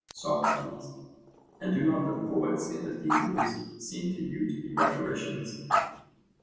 SOCRATES: And do not the poets in the theatres seem to you to be rhetoricians?